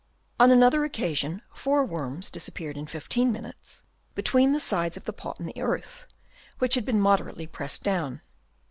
On another occasion four worms disappeared in 15 minutes between the sides of the pot and the earth, which had been moderately pressed down.